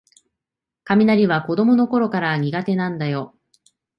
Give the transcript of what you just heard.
雷は子どものころから苦手なんだよ